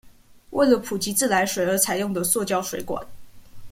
為了普及自來水而採用的塑膠水管